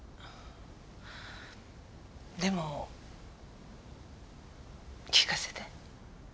でも聞かせて。